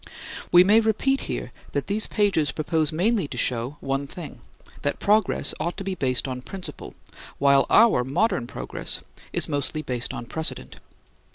We may repeat here that these pages propose mainly to show one thing: that progress ought to be based on principle, while our modern progress is mostly based on precedent.